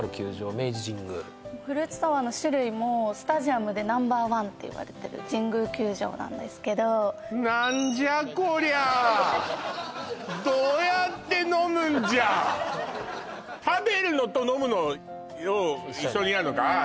明治神宮フルーツサワーの種類もスタジアムでナンバーワンっていわれてる神宮球場なんですけど何じゃこりゃどうやって飲むんじゃ食べるのと飲むのを一緒にやんのかああ